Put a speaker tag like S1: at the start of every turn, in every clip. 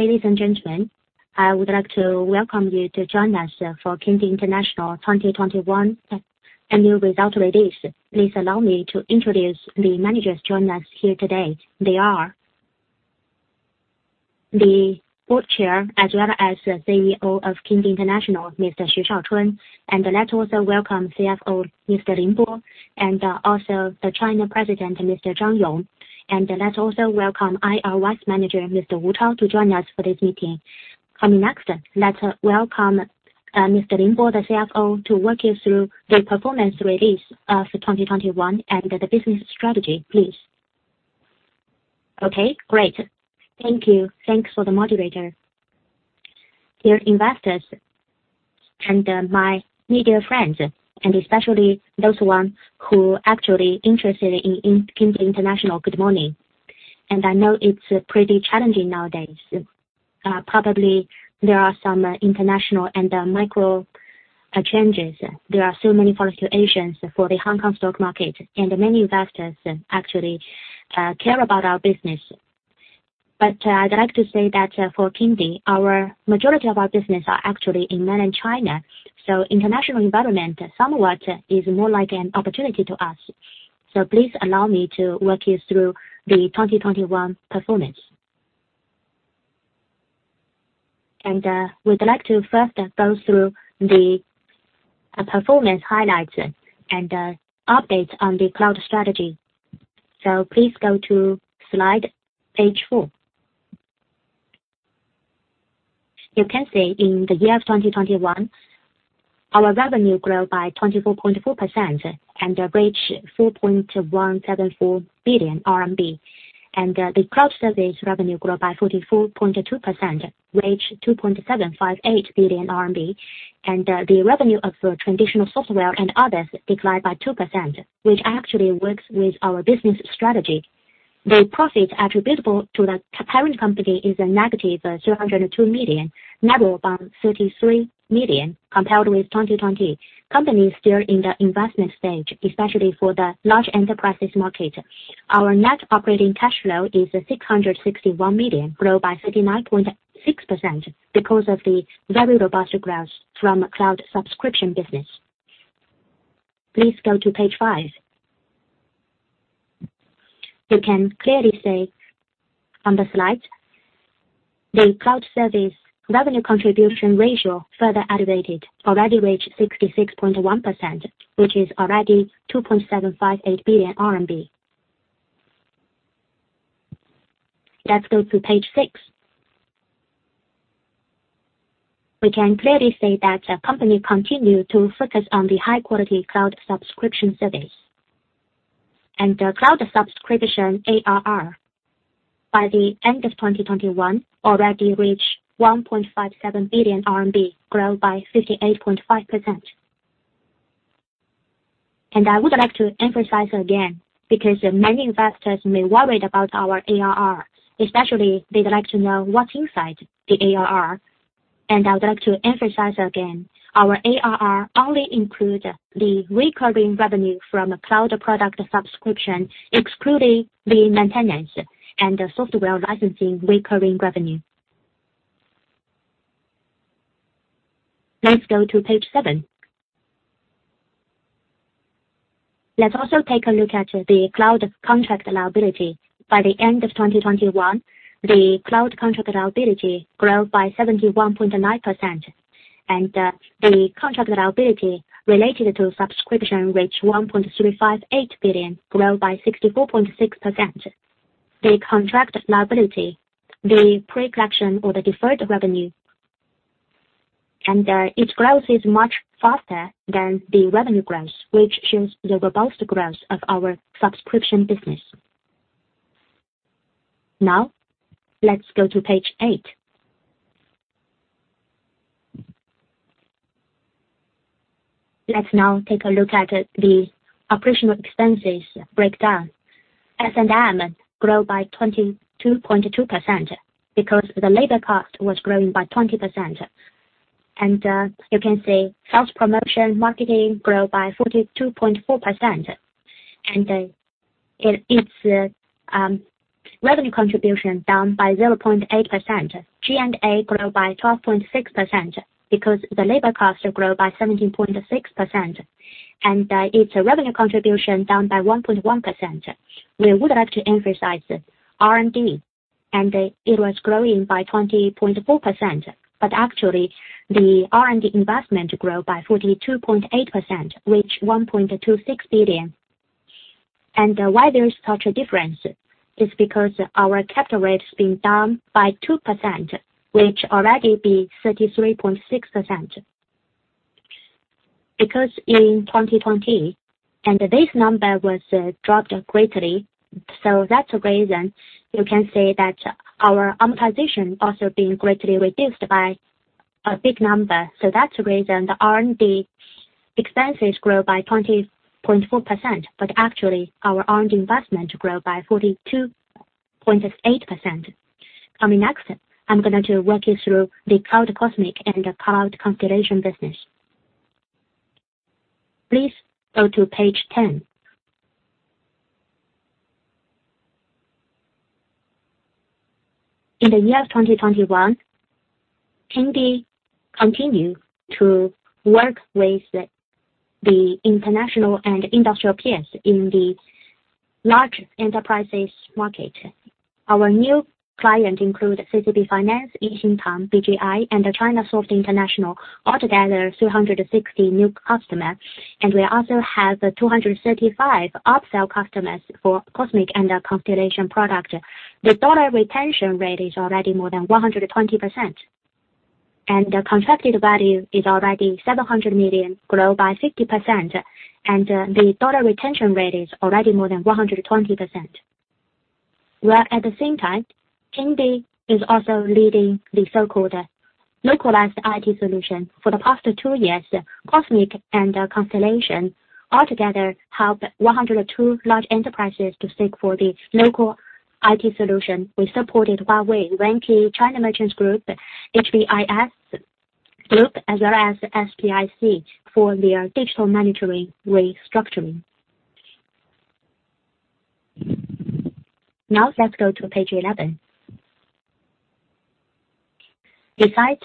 S1: Ladies and gentlemen, I would like to welcome you to join us for Kingdee International 2021 Annual Results Release. Please allow me to introduce the managers joining us here today. They are the Board Chair as well as the CEO of Kingdee International, Mr. Xu Shaochun. Let's also welcome CFO, Mr. Lin Bo, and also the China President, Mr. Zhang Yong. Let's also welcome IR Vice Manager, Mr. Rex Wu, to join us for this meeting. Coming next, let's welcome Mr. Lin Bo, the CFO, to walk you through the performance release of 2021 and the business strategy, please.
S2: Okay, great. Thank you. Thanks for the moderator. Dear investors and my media friends, and especially those who actually interested in Kingdee International, good morning. I know it's pretty challenging nowadays. Probably there are some international and macro changes. There are so many fluctuations for the Hong Kong stock market, and many investors actually care about our business. I'd like to say that for Kingdee, our majority of our business are actually in Mainland China, so international environment somewhat is more like an opportunity to us. Please allow me to walk you through the 2021 performance. We'd like to first go through the performance highlights and updates on the cloud strategy. Please go to slide page four. You can see in the year of 2021, our revenue grow by 24.4% and reach 4.174 billion RMB. The cloud service revenue grow by 44.2% and reach 2.758 billion RMB. The revenue of traditional software and others declined by 2%, which actually works with our business strategy. The profit attributable to the parent company is -302 million, narrow by 33 million compared with 2020. Company is still in the investment stage, especially for the large enterprises market. Our net operating cash flow is 661 million, grow by 39.6% because of the very robust growth from cloud subscription business. Please go to page five. You can clearly see on the slide the cloud service revenue contribution ratio further elevated, already reached 66.1%, which is already CNY 2.758 billion. Let's go to page six. We can clearly see that the company continued to focus on the high-quality cloud subscription service. The cloud subscription ARR by the end of 2021 already reached 1.57 billion RMB, grow by 58.5%. I would like to emphasize again, because many investors may worried about our ARR, especially they'd like to know what's inside the ARR. I would like to emphasize again, our ARR only include the recurring revenue from cloud product subscription, excluding the maintenance and the software licensing recurring revenue. Let's go to page seven. Let's also take a look at the cloud contract liability. By the end of 2021, the cloud contract liability grow by 71.9%. The contract liability related to subscription reached 1.358 billion, grow by 64.6%. The contract liability, the pre-collection or the deferred revenue, and its growth is much faster than the revenue growth, which shows the robust growth of our subscription business. Now, let's go to page eight. Let's now take a look at the operational expenses breakdown. S&M grow by 22.2% because the labor cost was growing by 20%. You can see sales, promotion, marketing grow by 42.4%, its revenue contribution down by 0.8%. G&A grow by 12.6% because the labor cost grow by 17.6%, its revenue contribution down by 1.1%. We would like to emphasize R&D, and it was growing by 20.4%. Actually, the R&D investment grow by 42.8%, reach 1.26 billion. Why there's such a difference is because our capital rates being down by 2%, which already be 33.6%. Because in 2020, and this number was dropped greatly, so that's the reason you can see that our amortization also being greatly reduced by a big number. So that's the reason the R&D expenses grow by 20.4%, but actually, our R&D investment grow by 42.8%. Coming next, I'm going to walk you through the Cloud Cosmic and the Cloud Constellation business. Please go to page 10. In the year of 2021, Kingdee continued to work with the international and industrial peers in the large enterprises market. Our new client include CCP Finance, Yinxin Tan, BGI, and Chinasoft International, altogether 360 new customers. We also have 235 upsell customers for Cosmic and Constellation product. The dollar retention rate is already more than 120%, and the contracted value is already 700 million, grow by 60%, and the dollar retention rate is already more than 120%. Kingdee is also leading the so-called localized IT solution. For the past two years, Cosmic and Constellation altogether help 102 large enterprises to seek for the local IT solution. We supported Huawei, Wenti, China Merchants Group, HBIS Group, as well as SPIC for their digital management restructuring. Now let's go to page 11. Besides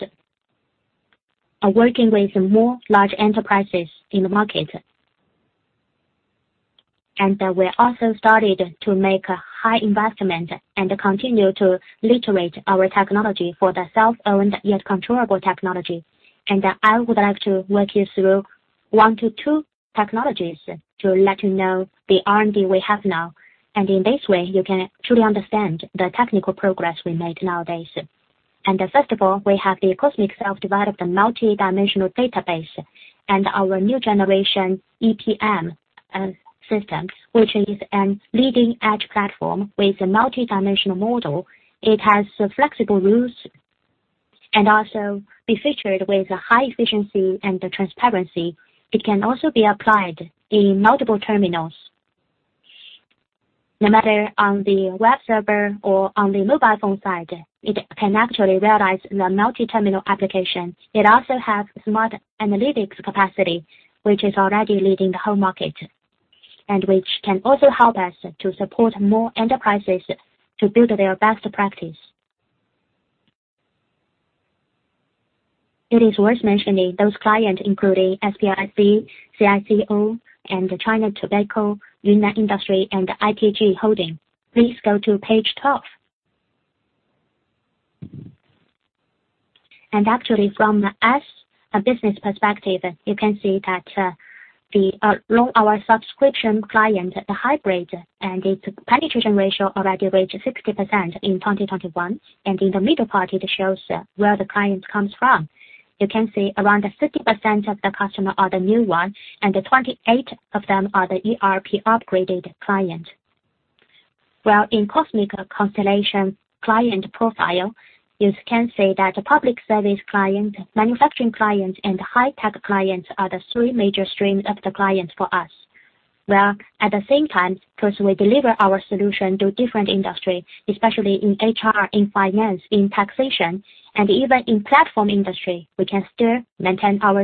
S2: working with more large enterprises in the market, we also started to make a high investment and continue to iterate our technology for the self-owned yet controllable technology. I would like to walk you through one-two technologies to let you know the R&D we have now. In this way, you can truly understand the technical progress we made nowadays. First of all, we have the Cosmic, self-developed, a multi-dimensional database and our New Generation EPM system, which is a leading edge platform with a multi-dimensional model. It has flexible rules and also be featured with high efficiency and transparency. It can also be applied in multiple terminals. No matter on the web server or on the mobile phone side, it can actually realize the multi-terminal application. It also has smart analytics capacity, which is already leading the whole market, and which can also help us to support more enterprises to build their best practice. It is worth mentioning those clients, including SPIC, CICO, and China Tobacco, Yunnan Energy Investment, and ITG Holding. Please go to page twelve. Actually from a business perspective, you can see that our subscription client, the hybrid and its penetration ratio already reached 60% in 2021, and in the middle part, it shows where the client comes from. You can see around 50% of the customers are the new one, and 28 of them are the ERP upgraded client. While in Cosmic-Constellation client profile, you can see that public service client, manufacturing client, and high-tech clients are the three major streams of the clients for us. While at the same time, because we deliver our solution to different industry, especially in HR, in finance, in taxation, and even in platform industry, we can still maintain our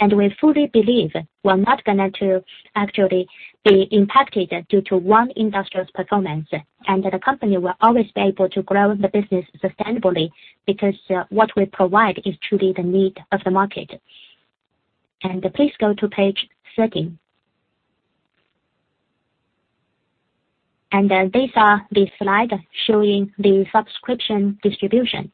S2: leadership. We fully believe we're not gonna to actually be impacted due to one industry's performance, and that the company will always be able to grow the business sustainably, because what we provide is truly the need of the market. Please go to page 13. These are the slide showing the subscription distribution.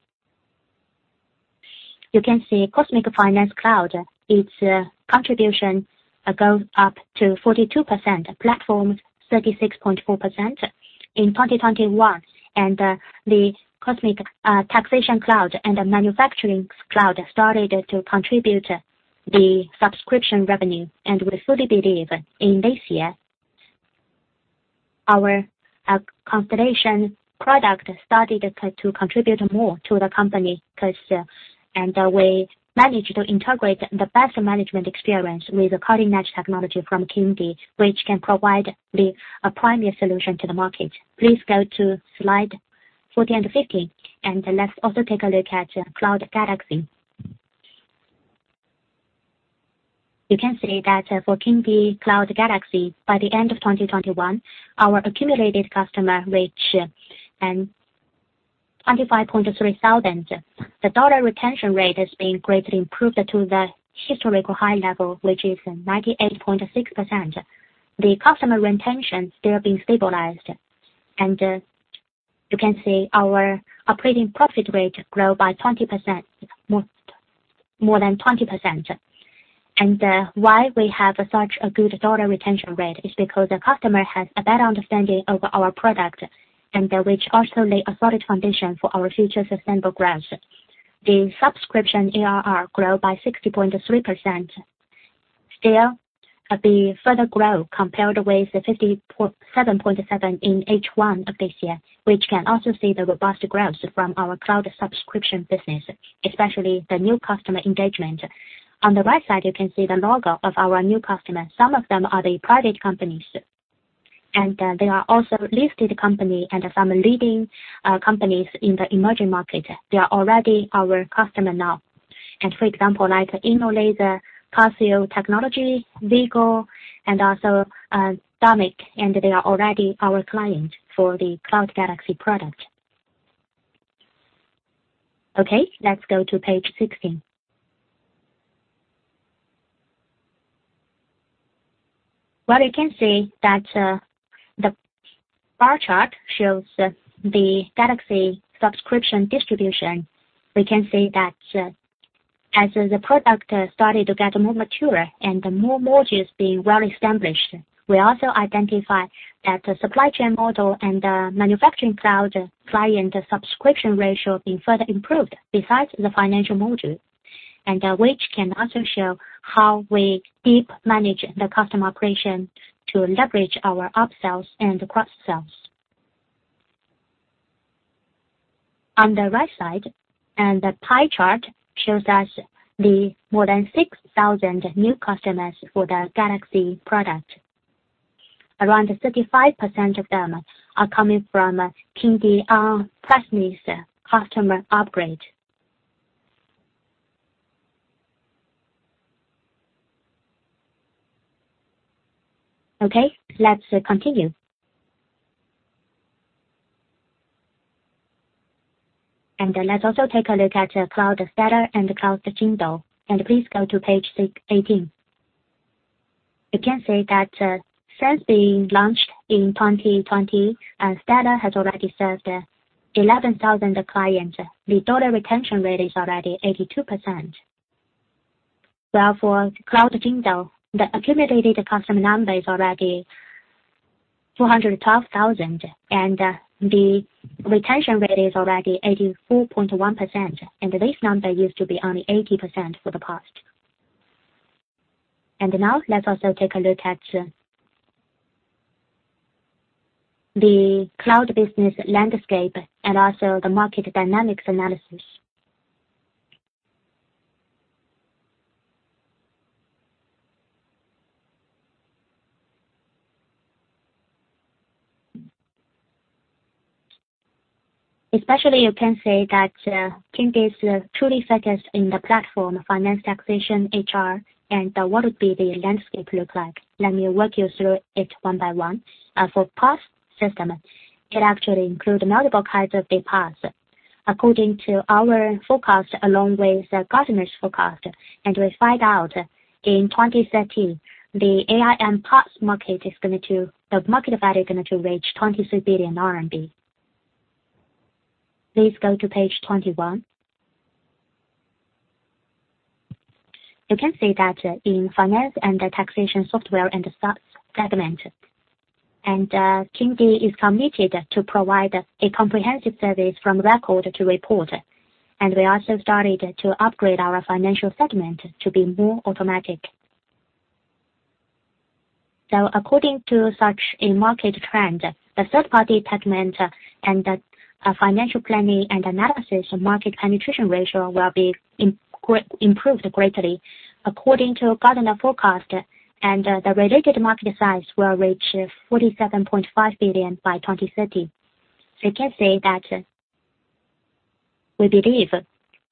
S2: You can see Constellation Finance Cloud, its contribution goes up to 42%, Platform 36.4% in 2021. The Constellation Tax Cloud and Manufacturing Cloud started to contribute the subscription revenue. We fully believe in this year, our Constellation product started to contribute more to the company because we managed to integrate the best management experience with cutting-edge technology from Kingdee, which can provide a premier solution to the market. Please go to slide 14 and 15, and let's also take a look at Cloud Galaxy. You can see that for Kingdee Cloud Galaxy, by the end of 2021, our accumulated customer reached 25,300. The dollar retention rate has been greatly improved to the historical high level, which is 98.6%. The customer retention still being stabilized. You can see our operating profit rate grow by more than 20%. Why we have such a good dollar retention rate is because the customer has a better understanding of our product and which also lay a solid foundation for our future sustainable growth. The subscription ARR grow by 60.3%. Still the further growth compared with the 57.7% in H1 of this year, which can also see the robust growth from our cloud subscription business, especially the new customer engagement. On the right side, you can see the logo of our new customers. Some of them are the private companies, and they are also listed company and some leading companies in the emerging market. They are already our customer now. For example, like InnoLas, Parsio, Vigor, and also Domik, and they are already our client for the Cloud Galaxy product. Okay, let's go to page 16. Well, you can see that the bar chart shows the Galaxy subscription distribution. We can see that as the product started to get more mature and the more modules being well-established, we also identified that the supply chain module and the manufacturing cloud client subscription ratio being further improved besides the financial module, and which can also show how we deeply manage the customer operation to leverage our upsells and cross-sells. On the right side, the pie chart shows us more than 6,000 new customers for the Galaxy product. Around 35% of them are coming from Kingdee, plus new customer upgrade. Okay, let's continue. Let's also take a look at Cloud Stellar and Cloud Jingdou. Please go to page 18. You can see that, since being launched in 2020, Stellar has already served 11,000 clients. The dollar retention rate is already 82%. While for Cloud Jingdou, the accumulated customer number is already 212,000, and the retention rate is already 84.1%, and this number used to be only 80% for the past. Now let's also take a look at the cloud business landscape and also the market dynamics analysis. Especially, you can say that Kingdee's truly focused in the platform, finance, taxation, HR, and what would be the landscape look like. Let me walk you through it one by one. For PaaS system, it actually include multiple kinds of the PaaS. According to our forecast, along with the customer's forecast, and we find out in 2030, the AI and PaaS market, the market value is gonna to reach 23 billion RMB. Please go to page 21. You can see that in finance and taxation software and SaaS segment, and Kingdee is committed to provide a comprehensive service from record to report. We also started to upgrade our financial segment to be more automatic. According to such a market trend, the third-party segment and the financial planning and analysis market penetration ratio will be improved greatly. According to customer forecast, the related market size will reach 47.5 billion by 2030. You can say that we believe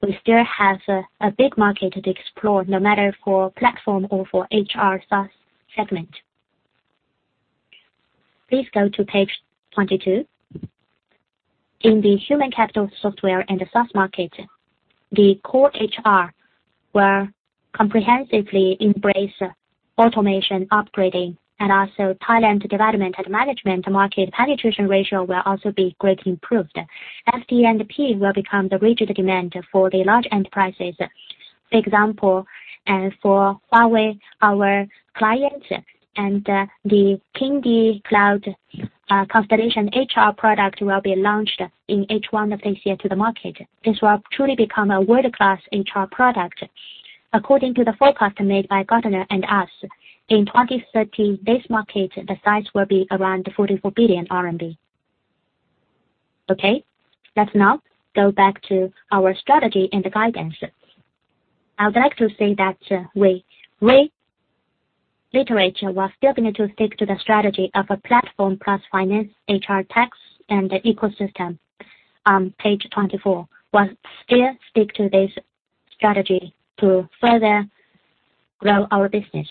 S2: we still have a big market to explore, no matter for platform or for HR SaaS segment. Please go to page 22. In the human capital software and the SaaS market, the core HR will comprehensively embrace automation, upgrading, and also talent development and management. The market penetration ratio will also be greatly improved. FP&A will become the rigid demand for the large enterprises. For example, for Huawei, our clients, and the Kingdee Cloud Constellation HR product will be launched in H1 of this year to the market. This will truly become a world-class HR product. According to the forecast made by Gartner and us, in 2030, this market, the size will be around 44 billion RMB. Okay. Let's now go back to our strategy and the guidance. I would like to say that Let me reiterate, we are still going to stick to the strategy of a platform plus finance, HR, tax, and the ecosystem. Page 24. We'll still stick to this strategy to further grow our business.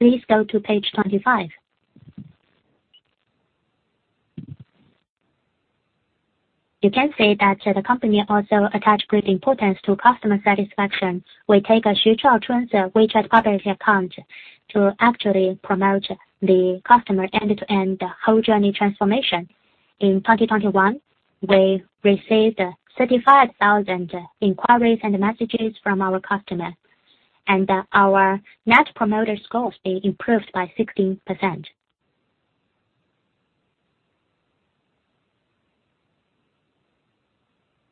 S2: Please go to page 25. You can see that the company also attach great importance to customer satisfaction. We take WeChat's public account to actually promote the customer end-to-end whole journey transformation. In 2021, we received 35,000 inquiries and messages from our customer, and our net promoter score improved by 16%.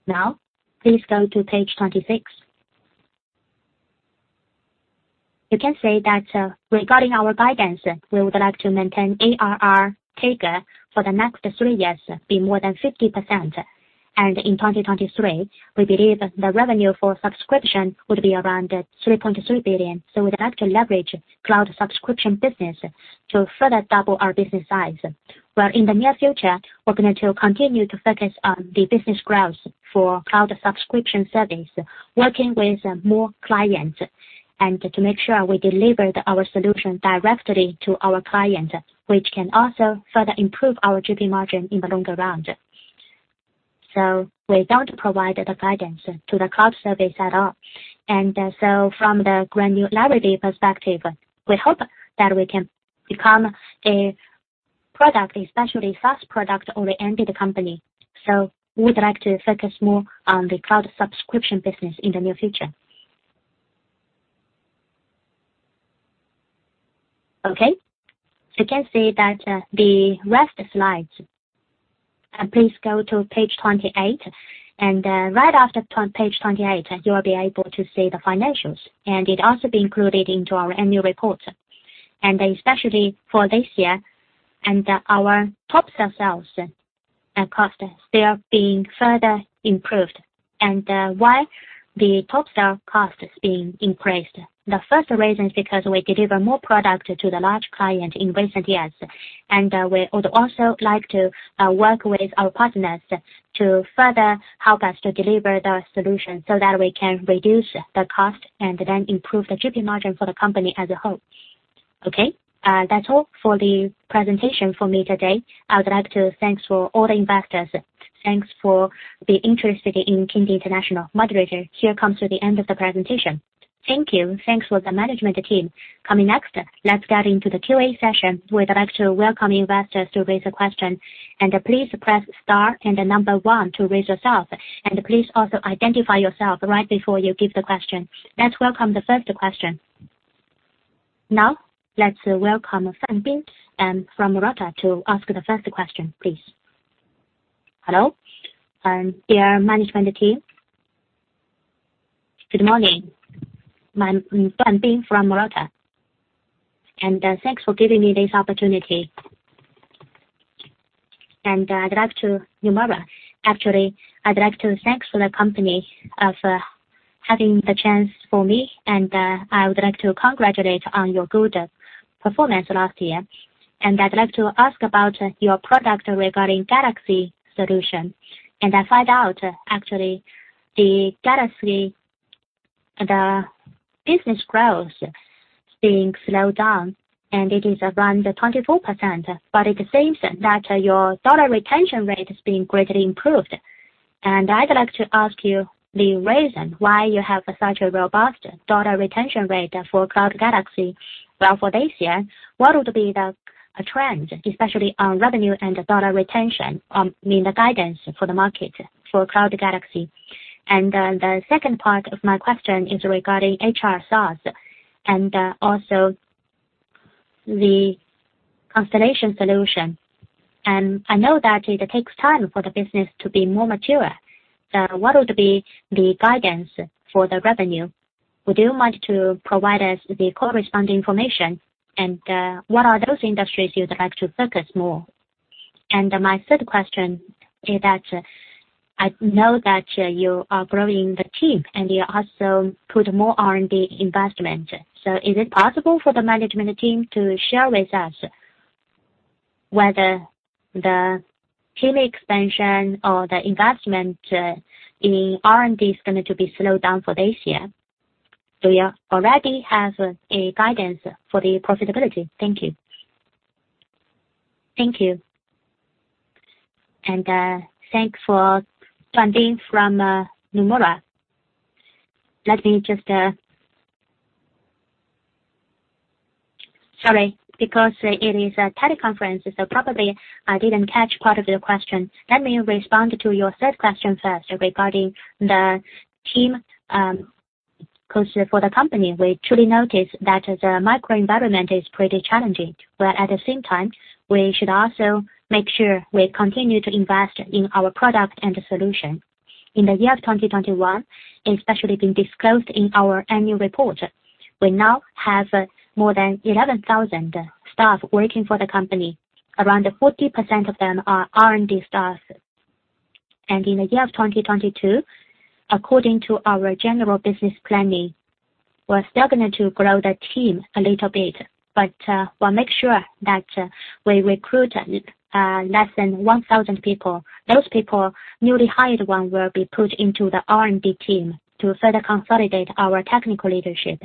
S2: Now, please go to page 26. You can see that regarding our guidance, we would like to maintain ARR CAGR for the next three years, be more than 50%. In 2023, we believe the revenue for subscription would be around 3.3 billion. We'd like to leverage cloud subscription business to further double our business size. While in the near future, we're gonna continue to focus on the business growth for cloud subscription service, working with more clients. To make sure we deliver our solution directly to our clients, which can also further improve our GP margin in the longer run. We don't provide the guidance to the cloud service at all. From the granularity perspective, we hope that we can become a product, especially SaaS product-oriented company. We'd like to focus more on the cloud subscription business in the near future. Okay. You can see that the rest slides. Please go to page 28, and right after page 28, you will be able to see the financials, and it also be included into our annual report. Especially for this year and our top sales costs, they are being further improved. Why the top sale cost is being increased? The first reason is because we deliver more product to the large client in recent years, and we would also like to work with our partners to further help us to deliver the solution so that we can reduce the cost and then improve the GP margin for the company as a whole. Okay, that's all for the presentation for me today. I would like to thanks for all the investors. Thanks for the interest in Kingdee International. Moderator, here comes to the end of the presentation.
S1: Thank you. Thanks for the management team. Coming next, let's get into the QA session. We'd like to welcome investors to raise a question, and please press star and the number one to raise yourself. Please also identify yourself right before you give the question. Let's welcome the first question. Now, let's welcome Fan Bing from Murata to ask the first question, please.
S3: Hello, and dear management team. Good morning. My name is Fan Bing from Murata, and thanks for giving me this opportunity. Actually, I'd like to thank the company for having the chance for me. I would like to congratulate on your good performance last year. I'd like to ask about your product regarding Galaxy solution. I find out actually the Galaxy, the business growth is being slowed down, and it is around 24%. It seems that your dollar retention rate is being greatly improved. I'd like to ask you the reason why you have such a robust dollar retention rate for Cloud Galaxy. Well, for this year, what would be the trend, especially on revenue and dollar retention, I mean, the guidance for the market for Cloud Galaxy? Then the second part of my question is regarding HR SaaS and also the Constellation solution. I know that it takes time for the business to be more mature. What would be the guidance for the revenue? Would you mind to provide us the corresponding information? What are those industries you'd like to focus more? My third question is that I know that you are growing the team, and you also put more R&D investment. Is it possible for the management team to share with us whether the team expansion or the investment in R&D is going to be slowed down for this year? Do you already have a guidance for the profitability? Thank you.
S2: Thank you. Thanks for Fan Bing from Murata. Let me just. Sorry, because it is a teleconference, so probably I didn't catch part of your question. Let me respond to your third question first regarding the team culture for the company. We truly notice that the macro environment is pretty challenging, but at the same time, we should also make sure we continue to invest in our product and solution. In the year of 2021, especially being disclosed in our annual report, we now have more than 11,000 staff working for the company. Around 40% of them are R&D staff. In the year of 2022, according to our general business planning, we're still going to grow the team a little bit, but we'll make sure that we recruit less than 1,000 people. Those people, newly hired one, will be put into the R&D team to further consolidate our technical leadership.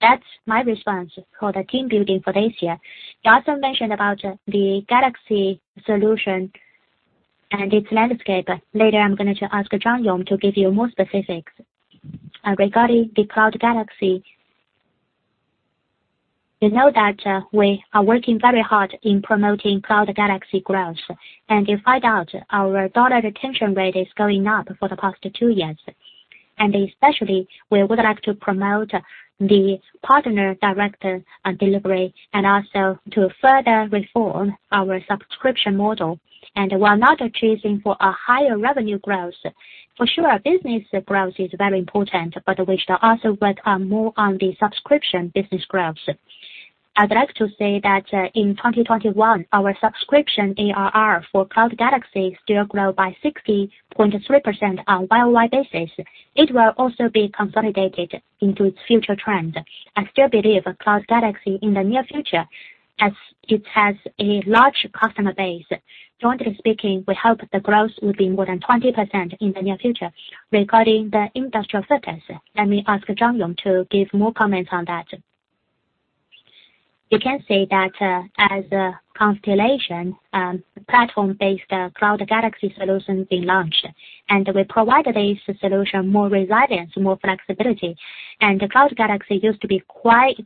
S2: That's my response for the team building for this year. You also mentioned about the Galaxy solution and its landscape. Later, I'm going to ask Zhang Yong to give you more specifics. Regarding the Cloud Galaxy, you know that we are working very hard in promoting Cloud Galaxy growth. You find out our dollar retention rate is going up for the past two years. Especially, we would like to promote the partner direct delivery and also to further reform our subscription model. While not chasing for a higher revenue growth, for sure business growth is very important, but we should also work more on the subscription business growth. I'd like to say that in 2021, our subscription ARR for Cloud Galaxy still grow by 60.3% on year-on-year basis. It will also be consolidated into its future trend. I still believe Cloud Galaxy in the near future. As it has a large customer base, jointly speaking, we hope the growth will be more than 20% in the near future. Regarding the industrial service, let me ask Zhang Yong to give more comments on that.
S4: You can say that as Cloud Constellation platform-based Cloud Galaxy solution being launched, and we provided a solution more resilience, more flexibility. Cloud Galaxy used to be quite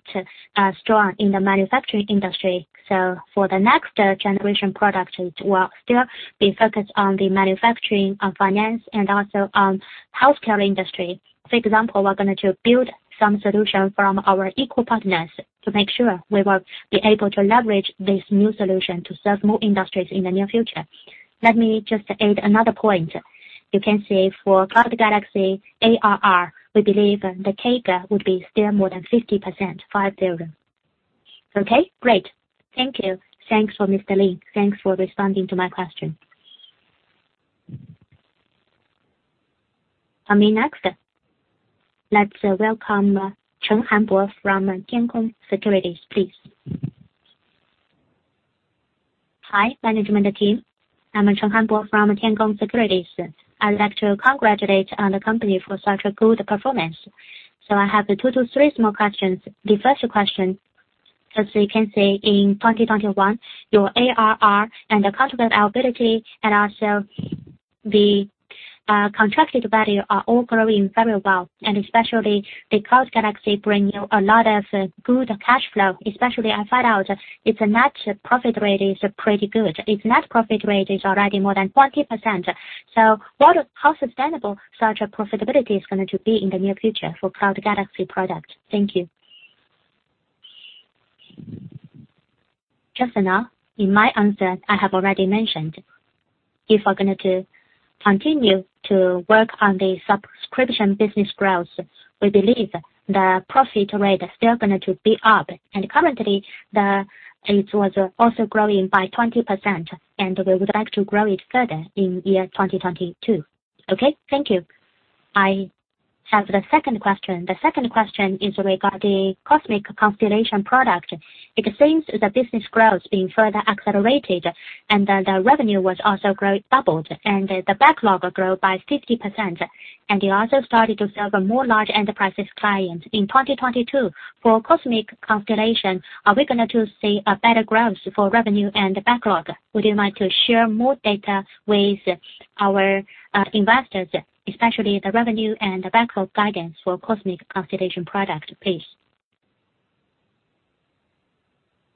S4: strong in the manufacturing industry. For the next generation product, it will still be focused on the manufacturing of finance and also on healthcare industry. For example, we're going to build some solution from our ecosystem partners to make sure we will be able to leverage this new solution to serve more industries in the near future. Let me just add another point. You can say for Cloud Galaxy ARR, we believe the CAGR would be still more than 50% five-year.
S3: Okay, great. Thank you. Thanks, Mr. Lin. Thanks for responding to my question.
S1: Coming next, let's welcome, Chen Hanbo from Tianfeng Securities, please.
S5: Hi, management team. I'm Chen Hanbo from Tianfeng Securities. I'd like to congratulate the company on such a good performance. I have two to three small questions.
S2: The first question, as you can say in 2021, your ARR and the contract availability and also the contracted value are all growing very well, and especially the Cloud Galaxy bring you a lot of good cash flow, especially I found out its net profit rate is pretty good. Its net profit rate is already more than 20%. So, how sustainable such a profitability is going to be in the near future for Cloud Galaxy product? Thank you. Just now, in my answer, I have already mentioned, if we're gonna to continue to work on the subscription business growth, we believe the profit rate is still gonna to be up. Currently it was also growing by 20%, and we would like to grow it further in year 2022.
S5: Okay. Thank you. I have the second question. The second question is regarding Cloud Constellation product. It seems the business growth being further accelerated and the revenue was also grow doubled and the backlog grew by 50%. You also started to serve a more large enterprises client. In 2022, for Cloud Constellation, are we going to see a better growth for revenue and backlog? Would you like to share more data with our investors, especially the revenue and the backlog guidance for Cloud Constellation product, please?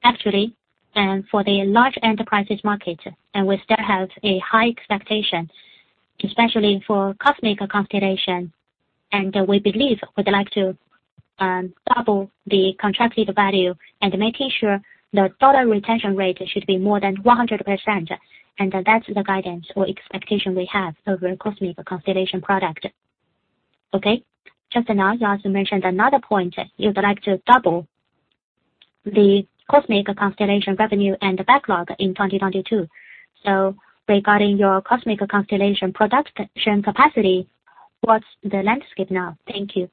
S2: Actually, for the large enterprises market, we still have a high expectation, especially for Cloud Constellation, and we believe we'd like to double the contracted value and making sure the total retention rate should be more than 100%. That's the guidance or expectation we have over Cloud Constellation product.
S5: Okay. Just now, you also mentioned another point. You'd like to double the Cloud Constellation revenue and the backlog in 2022. Regarding your Cloud Constellation production capacity, what's the landscape now? Thank you.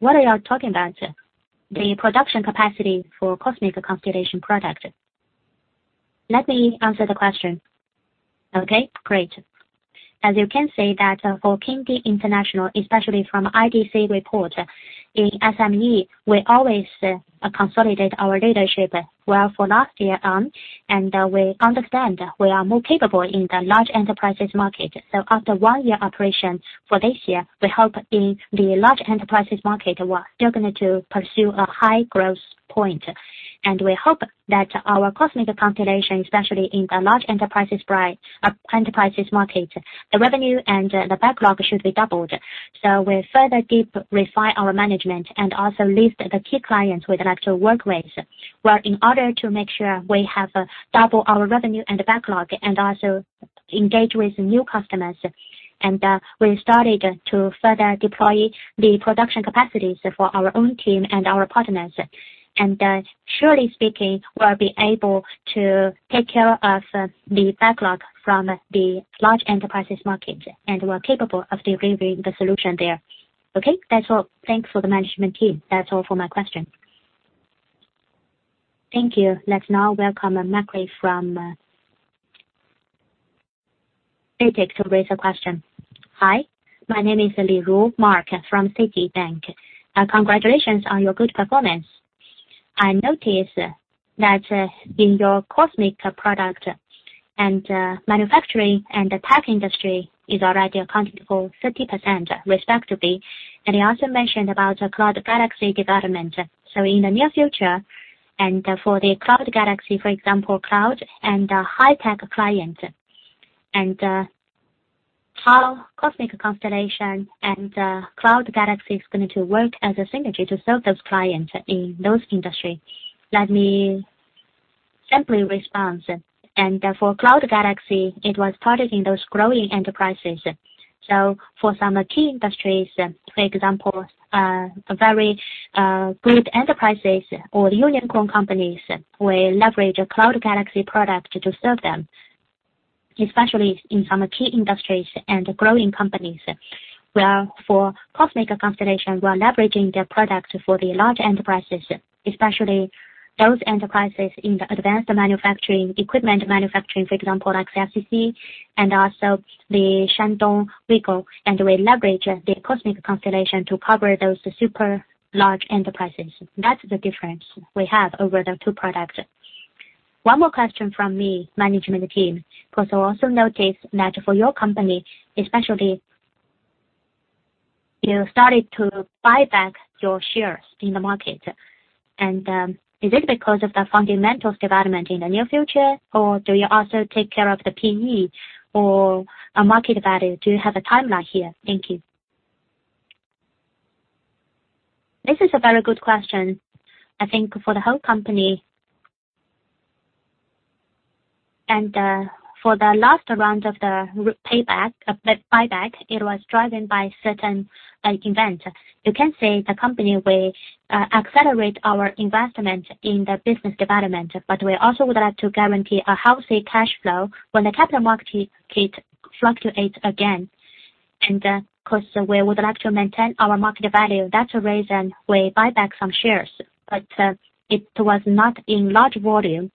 S4: What are you talking about?
S5: The production capacity for Cloud Constellation product.
S4: Let me answer the question. Okay, great. As you can see that, for Kingdee International, especially from IDC report, in SME, we always consolidate our leadership from last year on, and we understand we are more capable in the large enterprises market. After one year operation for this year, we hope in the large enterprises market, we're still going to pursue a high growth point. We hope that our Cloud Constellation, especially in the large enterprises market, the revenue and the backlog should be doubled. We further deep refine our management and also list the key clients we'd like to work with. Well, in order to make sure we have double our revenue and backlog and also engage with new customers. We started to further deploy the production capacities for our own team and our partners. Surely speaking, we'll be able to take care of the backlog from the large enterprises market, and we're capable of delivering the solution there.
S5: Okay. That's all. Thanks for the management team. That's all for my question.
S1: Thank you. Let's now welcome Mark Li from Citi to raise a question.
S6: Hi. My name is Mark Li from Citibank. Congratulations on your good performance. I notice that in your Cloud Cosmic product and manufacturing and the tech industry is already accounting for 30% respectively. You also mentioned about Cloud Galaxy development. In the near future, for the Cloud Galaxy, for example, cloud and high tech clients, how Cloud Constellation and Cloud Galaxy is going to work as a synergy to serve those clients in those industry?
S7: Let me simply respond. For Cloud Galaxy, it was targeting those growing enterprises. For some key industries, for example, very good enterprises or unicorn companies will leverage a Cloud Galaxy product to serve them. Especially in some key industries and growing companies. Where for Cloud Constellation, we are leveraging their products for the large enterprises, especially those enterprises in the advanced manufacturing, equipment manufacturing, for example, like FCC and also the Shandong Weigao, and we leverage the Cloud Constellation to cover those super large enterprises. That's the difference we have over the two products.
S6: One more question from me, management team, because I also notice that for your company, especially you started to buy back your shares in the market. Is it because of the fundamentals development in the near future, or do you also take care of the PE or market value? Do you have a timeline here? Thank you.
S7: This is a very good question, I think, for the whole company. For the last round of the buyback, it was driven by a certain event. You can say the company will accelerate our investment in the business development, but we also would like to guarantee a healthy cash flow when the capital market fluctuates again. Because we would like to maintain our market value, that's the reason we buy back some shares. It was not in large volume,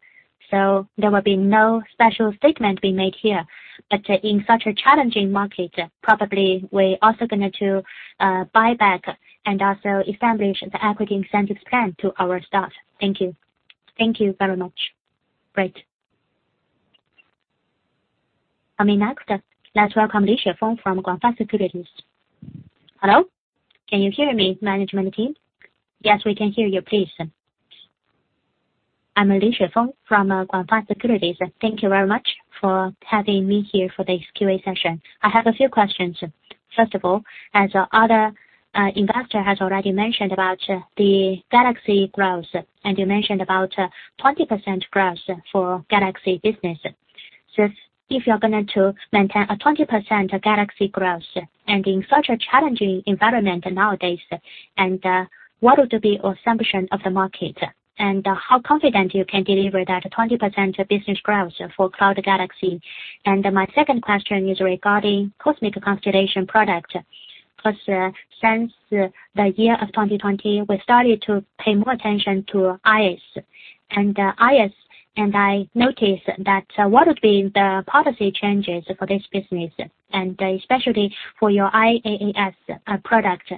S7: so there will be no special statement being made here. In such a challenging market, probably we're also going to buy back and also establish the equity incentives plan to our staff. Thank you.
S6: Thank you very much.
S7: Great.
S1: Coming next, let's welcome Li Xuefeng from Guotai Junan Securities.
S8: Hello. Can you hear me, management team?
S1: Yes, we can hear you. Please.
S8: I'm Li Xuefeng from Guotai Junan Securities. Thank you very much for having me here for this QA session. I have a few questions. First of all, as other investor has already mentioned about the Galaxy growth, and you mentioned about 20% growth for Galaxy business. If you are going to maintain a 20% Galaxy growth and in such a challenging environment nowadays, and what would be your assumption of the market? How confident you can deliver that 20% business growth for Cloud Galaxy? My second question is regarding Cloud Constellation product. Plus, since the year of 2020, we started to pay more attention to IaaS. IaaS. I noticed that what would be the policy changes for this business, and especially for your IaaS product,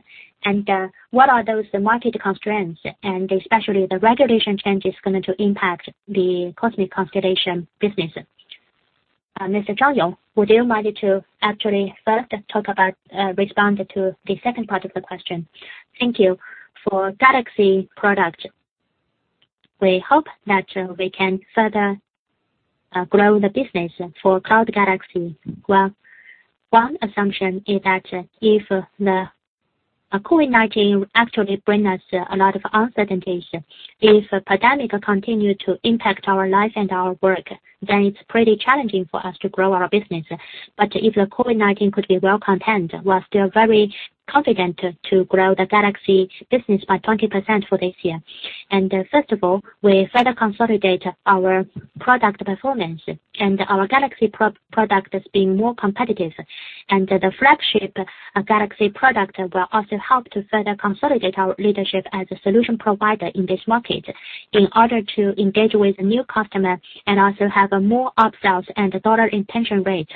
S8: and what are those market constraints, and especially the regulation changes going to impact the Cloud Constellation business?
S7: Mr. Zhang Yong, would you mind to actually first talk about respond to the second part of the question? Thank you.
S4: For Galaxy product, we hope that we can further grow the business for Cloud Galaxy. Well, one assumption is that if the COVID-19 actually bring us a lot of uncertainties. If the pandemic continue to impact our life and our work, then it's pretty challenging for us to grow our business. If the COVID-19 could be well contained, we are still very confident to grow the Galaxy business by 20% for this year. First of all, we further consolidate our product performance and our Galaxy pro-product as being more competitive. The flagship Galaxy product will also help to further consolidate our leadership as a solution provider in this market in order to engage with new customer and also have a more upsells and dollar retention rate.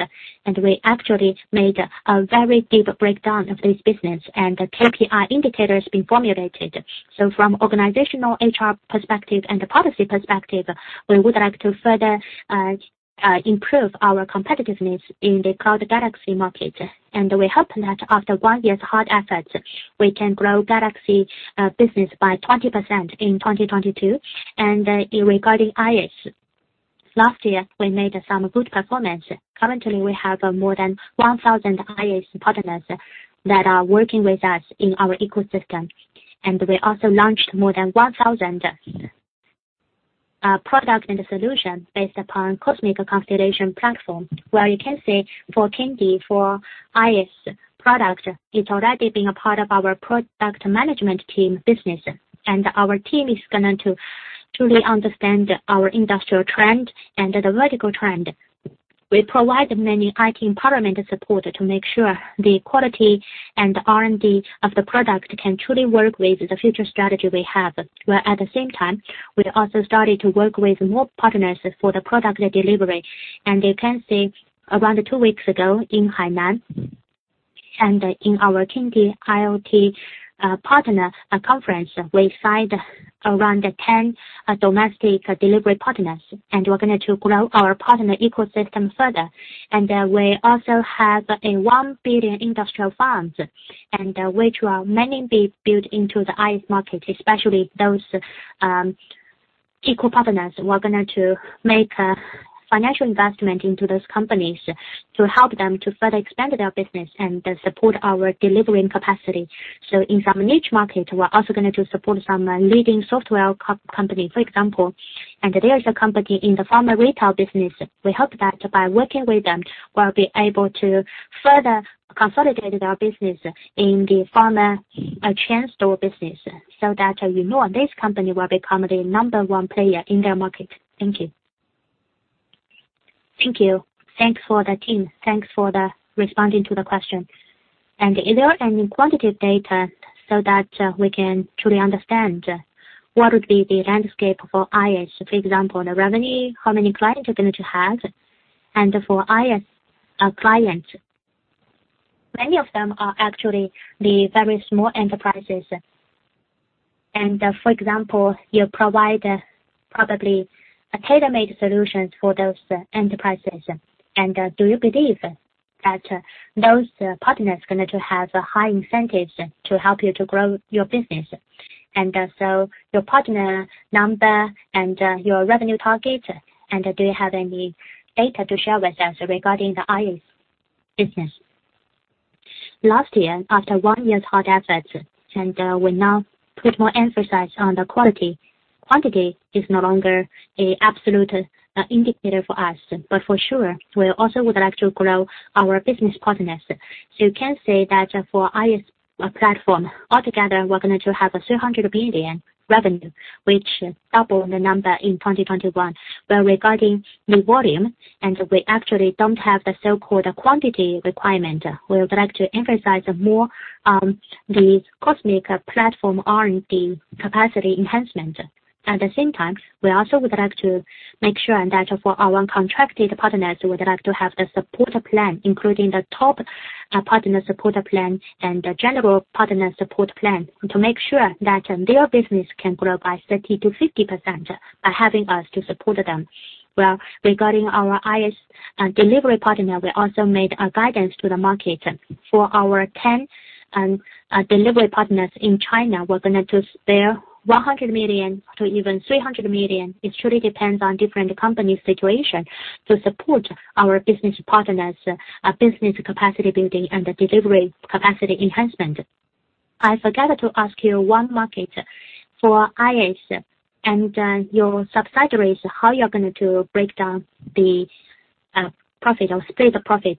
S4: We actually made a very deep breakdown of this business and the KPI indicators being formulated. From organizational HR perspective and the policy perspective, we would like to further improve our competitiveness in the Cloud Galaxy market. We hope that after one year's hard efforts, we can grow Galaxy business by 20% in 2022. Regarding IaaS, last year, we made some good performance. Currently, we have more than 1,000 IaaS partners that are working with us in our ecosystem. We also launched more than 1,000 product and solution based upon Cosmic Constellation platform. Well, you can say for Kingdee, for IaaS product, it's already been a part of our product management team business. Our team is going to truly understand our industrial trend and the vertical trend. We provide many IT empowerment support to make sure the quality and R&D of the product can truly work with the future strategy we have, where at the same time, we also started to work with more partners for the product delivery. You can see around two weeks ago in Hainan and in our Kingdee IoT partner conference, we signed around 10 domestic delivery partners, and we're going to grow our partner ecosystem further. We also have a 1 billion industrial fund, which will mainly be invested into the IaaS market, especially those key co-partners. We're going to make a financial investment into those companies to help them to further expand their business and support our delivering capacity. In some niche market, we're also going to support some leading software company, for example. There's a company in the pharma retail business. We hope that by working with them, we'll be able to further consolidate our business in the pharma chain store business so that we know this company will become the number one player in their market. Thank you.
S8: Thank you. Thanks for the team. Thanks for responding to the question. Is there any quantitative data so that we can truly understand what would be the landscape for IS? For example, the revenue, how many clients you're going to have. For IS clients, many of them are actually the very small enterprises. For example, you provide probably a tailor-made solutions for those enterprises. Do you believe that those partners are going to have high incentives to help you to grow your business? Your partner number and your revenue target, and do you have any data to share with us regarding the IS business?
S2: Last year, after one year's hard efforts, we now put more emphasis on the quality. Quantity is no longer an absolute indicator for us, but for sure, we also would like to grow our business partners. You can say that for ISV platform, altogether, we're going to have a 300 billion revenue, which double the number in 2021. Regarding the volume, and we actually don't have the so-called quantity requirement, we would like to emphasize more, the Cosmic platform R&D capacity enhancement. At the same time, we also would like to make sure that for our contracted partners, we would like to have the support plan, including the top partner support plan and the general partner support plan to make sure that their business can grow by 30%-50% by having us to support them. Regarding our ISV delivery partner, we also made a guidance to the market. For our 10 delivery partners in China, we're gonna to spare 100 million to even 300 million.
S7: It truly depends on different company situation to support our business partners, business capacity building and the delivery capacity enhancement.
S8: I forgot to ask you one question. For IS and your subsidiaries, how you're going to break down the profit or split the profit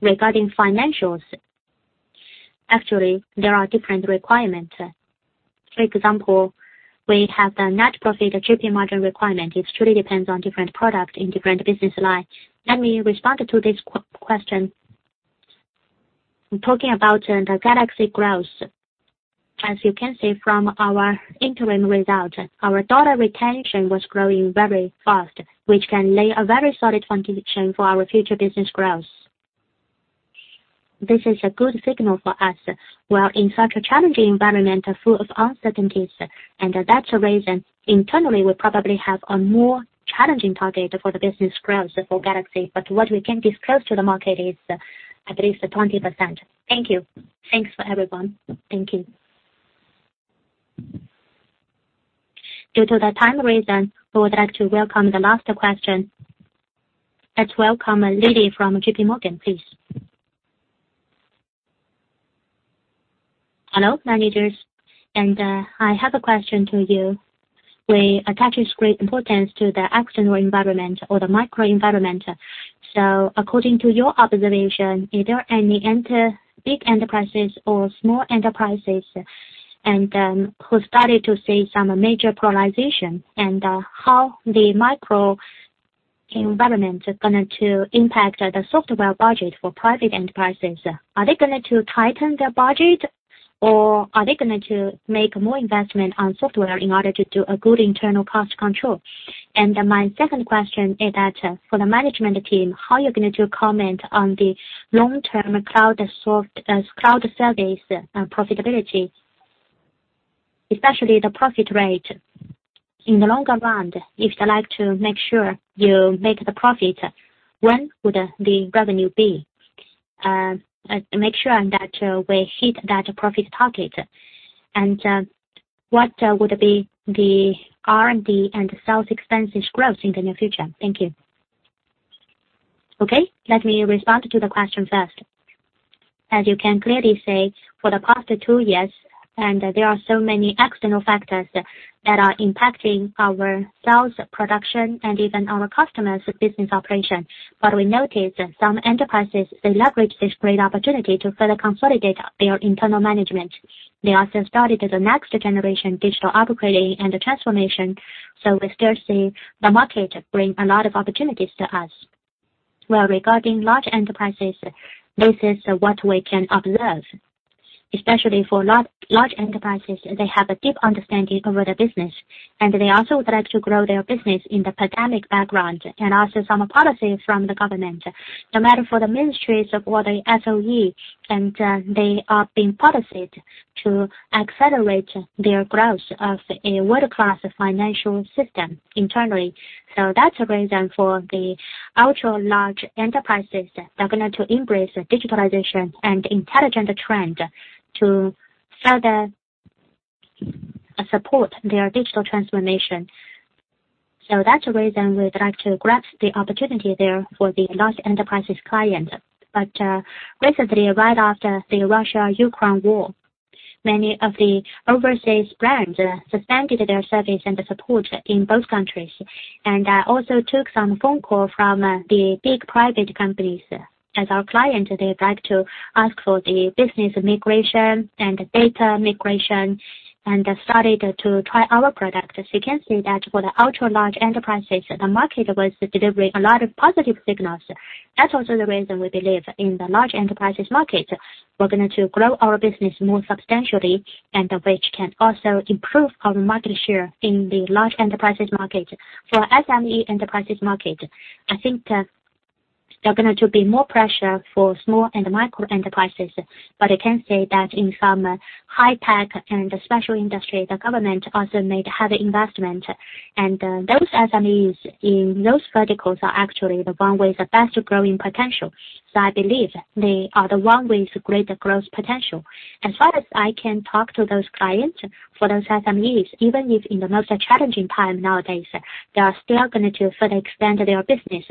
S8: regarding financials?
S2: Actually, there are different requirements. For example, we have the net profit, the GP margin requirement. It truly depends on different product in different business line. Let me respond to this question. Talking about the Galaxy growth. As you can see from our interim results, our customer retention was growing very fast, which can lay a very solid foundation for our future business growth. This is a good signal for us. While in such a challenging environment full of uncertainties, and that's the reason internally we probably have a more challenging target for the business growth for Galaxy.What we can disclose to the market is at least 20%. Thank you.
S8: Thanks, everyone. Thank you.
S1: Due to the time reason, we would like to welcome the last question. Let's welcome Lily from JPMorgan, please.
S9: Hello, managers. I have a question to you. We attach great importance to the external environment or the microenvironment. According to your observation, is there any big enterprises or small enterprises who started to see some major polarization and how the micro environments are going to impact the software budget for private enterprises? Are they going to tighten their budget or are they going to make more investment on software in order to do a good internal cost control?
S7: My second question is that for the management team, how are you going to comment on the long-term cloud service profitability, especially the profit rate? In the longer run, if you like to make sure you make the profit, when would the revenue be make sure that we hit that profit target? What would be the R&D and sales expenses growth in the near future? Thank you. Let me respond to the question first. As you can clearly see, for the past two years, there are so many external factors that are impacting our sales, production, and even our customers business operation. We noticed that some enterprises, they leverage this great opportunity to further consolidate their internal management. They also started the next generation digital operating and transformation. We still see the market bring a lot of opportunities to us. Well, regarding large enterprises, this is what we can observe. Especially for large enterprises, they have a deep understanding over the business, and they also would like to grow their business in the pandemic background and also some policy from the government. No matter for the ministries or the SOE, and there being policy to accelerate their growth of a world-class financial system internally. That's the reason for the ultra large enterprises that are gonna to embrace the digitalization and intelligent trend to further support their digital transformation. That's the reason we'd like to grab the opportunity there for the large enterprises client. Recently, right after the Russia-Ukraine war, many of the overseas brands suspended their service and support in both countries, and also took some phone call from the big private companies. As our client, they'd like to ask for the business migration and data migration, and started to try our product. As you can see that for the ultra-large enterprises, the market was delivering a lot of positive signals. That's also the reason we believe in the large enterprises market. We're going to grow our business more substantially and which can also improve our market share in the large enterprises market. For SME enterprises market, I think there are going to be more pressure for small and micro-enterprises. I can say that in some high-tech and special industry, the government also made heavy investment. Those SMEs in those verticals are actually the one with the best growing potential. I believe they are the one with greater growth potential. As far as I can talk to those clients for those SMEs, even if in the most challenging time nowadays, they are still going to further expand their business.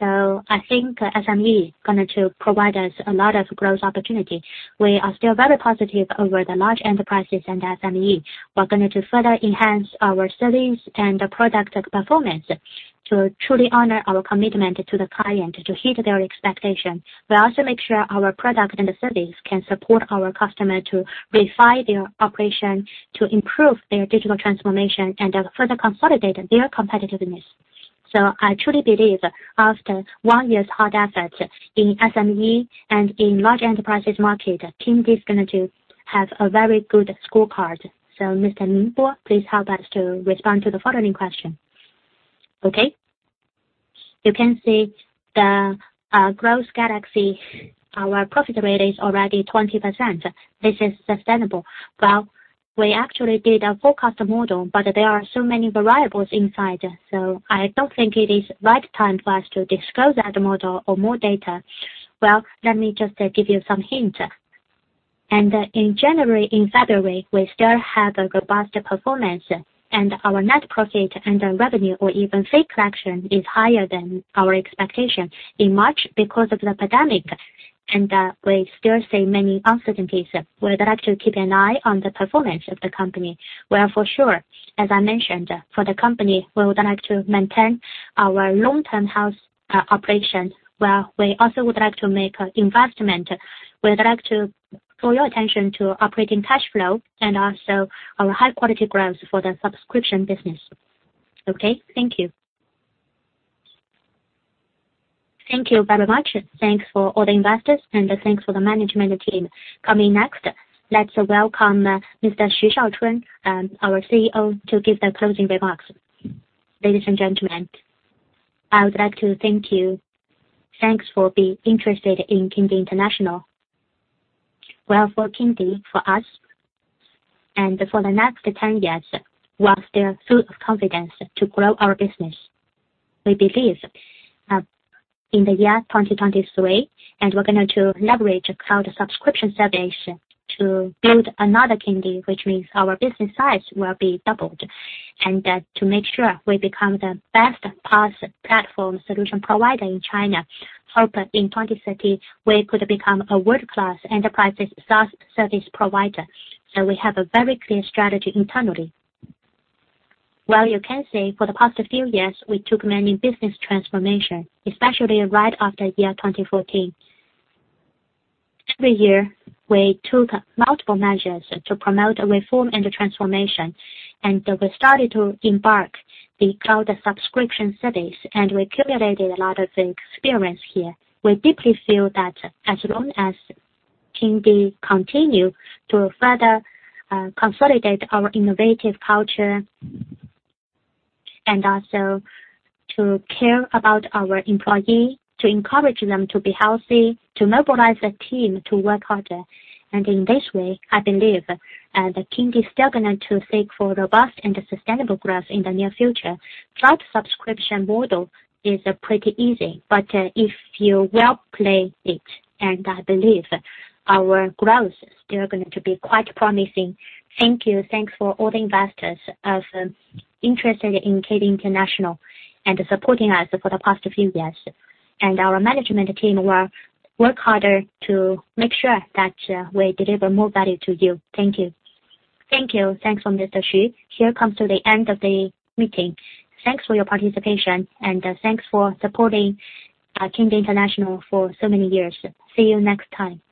S7: I think SME going to provide us a lot of growth opportunity. We are still very positive over the large enterprises and SME. We are going to further enhance our service and the product performance to truly honor our commitment to the client, to hit their expectation. We also make sure our product and the service can support our customer to refine their operation, to improve their digital transformation and further consolidate their competitiveness. I truly believe after one year's hard efforts in SME and in large enterprises market, Kingdee is going to have a very good scorecard. Mr. Lin Bo, please help us to respond to the following question.
S2: Okay. You can see the Cloud Galaxy. Our profit rate is already 20%. This is sustainable. Well, we actually did a forecast model, but there are so many variables inside, so I don't think it is right time for us to disclose that model or more data. Well, let me just give you some hint. In January and February, we still have a robust performance and our net profit and our revenue or even fee collection is higher than our expectation. In March, because of the pandemic, we still see many uncertainties, we would like to keep an eye on the performance of the company. Well, for sure, as I mentioned, for the company, we would like to maintain our long-term growth operations. Well, we also would like to make investment. We'd like to draw your attention to operating cash flow and also our high-quality growth for the subscription business.
S9: Okay, thank you.
S1: Thank you very much. Thanks to all the investors, and thanks for the management team. Coming next, let's welcome Mr. Xu Shaochun, our CEO, to give the closing remarks.
S7: Ladies and gentlemen, I would like to thank you. Thanks for being interested in Kingdee International. Well, for Kingdee, for us, and for the next 10 years, we are still full of confidence to grow our business. We believe in the year 2023, and we're going to leverage cloud subscription service to build another Kingdee, which means our business size will be doubled. To make sure we become the best PaaS platform solution provider in China. We hope in 2030, we could become a world-class enterprise SaaS service provider. We have a very clear strategy internally. Well, you can say for the past few years, we took many business transformation, especially right after year 2014. Every year, we took multiple measures to promote a reform and a transformation. We started to embark the cloud subscription service, and we accumulated a lot of experience here. We deeply feel that as long as Kingdee continue to further consolidate our innovative culture, and also to care about our employee, to encourage them to be healthy, to mobilize the team to work harder. In this way, I believe the Kingdee still going to seek for robust and sustainable growth in the near future. Cloud subscription model is pretty easy, but if you well play it, and I believe our growth still going to be quite promising. Thank you. Thanks for all the investors interested in Kingdee International and supporting us for the past few years. Our management team will work harder to make sure that we deliver more value to you. Thank you.
S1: Thank you. Thanks, Mr. Xu. We're coming to the end of the meeting. Thanks for your participation, and thanks for supporting Kingdee International for so many years. See you next time.